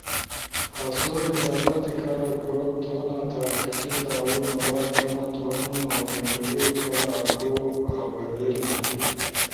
آسو ایجاداتی کارا کوروم تھونا، تحقیقی تعاون، مواد جمع تھونو، اؤ انٹرویو کارا آکو ابر